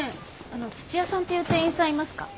あの土屋さんっていう店員さんいますか？